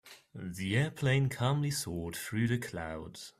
The airplane calmly soared through the clouds.